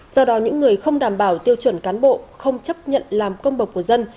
do đó những người không đảm bảo tiêu chuẩn cán bộ không chấp nhận làm công bộc của dân